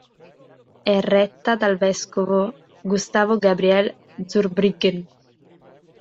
È retta dal vescovo Gustavo Gabriel Zurbriggen.